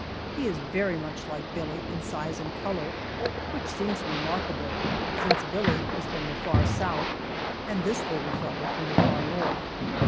He is very much like Billie in size and color, which seems remarkable, since Billie was from the far South and this little fellow from the far North.